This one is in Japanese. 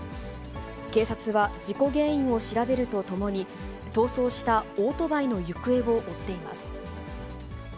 警察は事故原因を調べるとともに、逃走したオートバイの行方を追っています。